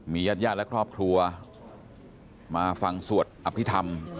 ญาติญาติและครอบครัวมาฟังสวดอภิษฐรรม